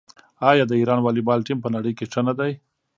آیا د ایران والیبال ټیم په نړۍ کې ښه نه دی؟